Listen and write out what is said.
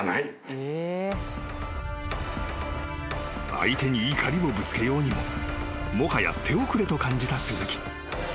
［相手に怒りをぶつけようにももはや手遅れと感じた鈴木］